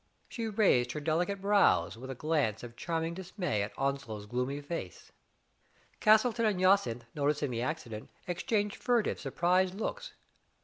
She raised her delicate brows, with a glance of charming dismay at Onslow's gloomy face. Castleton and Jacynth, noticing the accident, exchanged furtive, surprised looks.